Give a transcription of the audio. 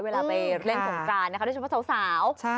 เวลาไปเล่นสมการด้วยเฉพาะสาว